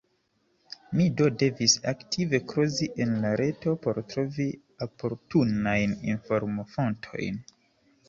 Mi do devis aktive krozi en la reto por trovi oportunajn informofontojn.